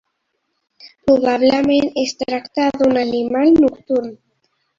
Probablement es tracta d'un animal nocturn.